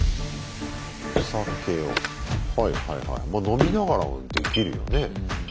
はいはいはいまあ飲みながらできるよね。